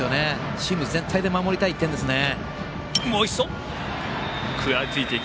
チーム全体で守りたい１点ですよね。